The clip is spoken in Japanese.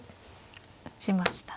打ちましたね。